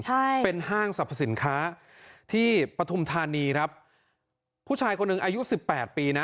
ใช่เป็นห้างสรรพสินค้าที่ปฐุมธานีครับผู้ชายคนหนึ่งอายุสิบแปดปีนะ